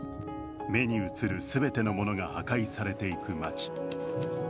目に映る全てのものが破壊されていく街。